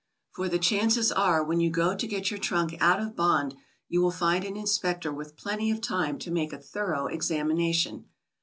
For the chances are when you go to get your trunk out of bond, you will find an inspector with plenty of time to make a thorough examination.